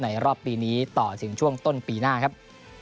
รอบปีนี้ต่อถึงช่วงต้นปีหน้าครับ